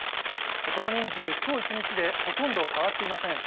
この人数、きょう一日でほとんど変わっていません。